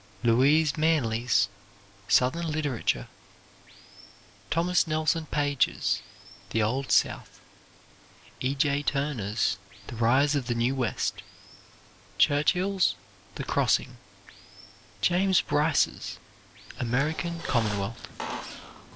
Louise Manley's "Southern Literature." Thomas Nelson Page's "The Old South." E. J. Turner's "The Rise of the New West" Churchill's "The Crossing." James Bryce's "American Commonwealth."